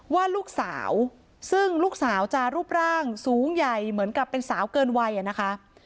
ว่าลูกสาวซึ่งลูกสาวจะรูปร่างสูงใหญ่เหมือนกับเป็นสาวเกินวัยอ่ะนะคะ